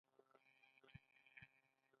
د بیان ازادي مهمه ده ځکه چې د عدالت ملاتړ کوي.